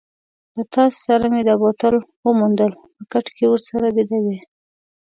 له تا سره مې دا بوتل وموندل، په کټ کې ورسره بیده وې.